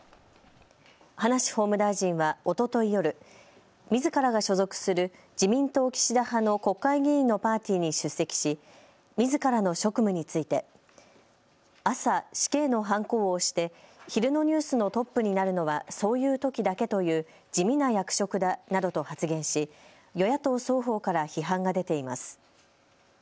葉梨法務大臣はおととい夜、みずからが所属する自民党岸田派の国会議員のパーティーに出席しみずからの職務について朝、死刑のはんこを押して昼のニュースのトップになるのはそういうときだけという地味な役職だなどと発言し与野党双方から批判が出ています。